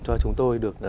cho chúng tôi được